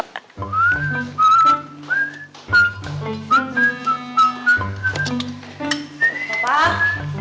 bukannya nemenin istri sarapan